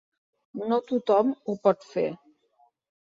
No tothom ho pot fer.